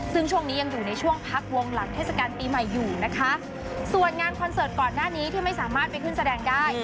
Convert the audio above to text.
ซึ่งช่วงนี้ยังอยู่ในช่วงพักวงหลังเทศกาลปีใหม่อยู่นะคะส่วนงานคอนเสิร์ตก่อนหน้านี้ที่ไม่สามารถไปขึ้นแสดงได้